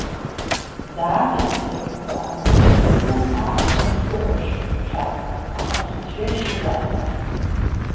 Даара иҭырҳәыцааны, икылкааҵәҟьаны усыхәаԥшуан иахьа, аха суцәҩашьазаап.